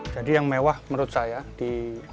jadi yang mewah menurut saya di